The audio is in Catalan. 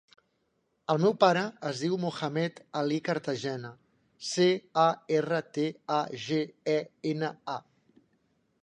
El meu pare es diu Mohamed ali Cartagena: ce, a, erra, te, a, ge, e, ena, a.